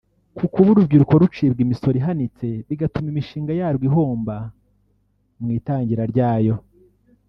Ku kuba urubyiruko rucibwa imisoro ihanitse bigatuma imishinga yarwo ihomba mu itangira rya yo